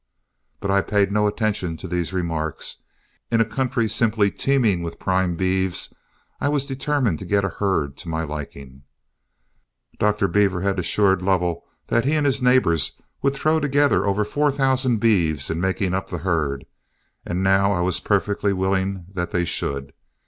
But I paid no attention to these remarks; in a country simply teeming with prime beeves, I was determined to get a herd to my liking. Dr. Beaver had assured Lovell that he and his neighbors would throw together over four thousand beeves in making up the herd, and now I was perfectly willing that they should.